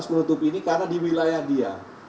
menutup ini karena di wilayah dia